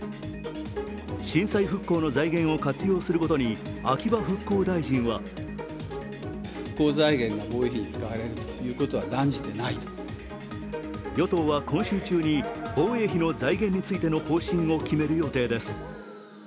震災復興の財源を活用することに秋葉復興大臣は与党は今週中に防衛費の財源についての方針を決める予定です。